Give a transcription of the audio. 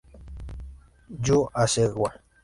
Yu Hasegawa